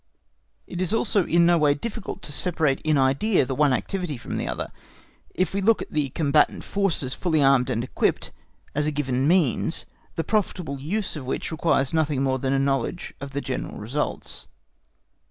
It is also in no way difficult to separate in idea the one activity from the other, if we look at the combatant forces fully armed and equipped as a given means, the profitable use of which requires nothing more than a knowledge of their general results.